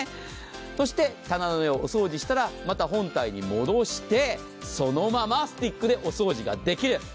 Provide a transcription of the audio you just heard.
そして棚の上をお掃除したらまた本体に戻してそのままスティックでお掃除ができる。